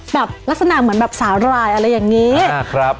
แบบลักษณะเหมือนแบบสาหร่ายอะไรอย่างนี้นะครับ